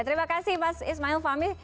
terima kasih mas ismail fahmi